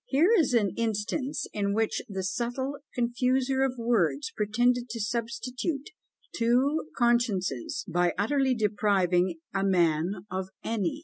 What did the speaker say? Here is an instance in which the subtle confuser of words pretended to substitute two consciences, by utterly depriving a man of any!